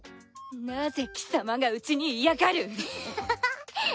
なぜ貴様がうちにいやがる！